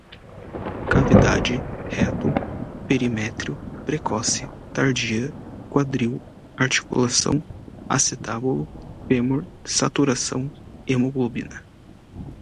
cavidade, reto, perimétrio, precoce, tardia, quadril, articulação, acetábulo, fêmur, saturação, hemoglobina